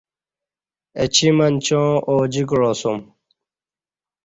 اچی منچاں آجی کعاسوم۔